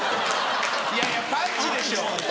いやいやパンチでしょ。